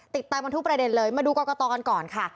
ติดตามกันทุกประเด็นเลยมาดูกรอกตอนกันก่อนค่ะ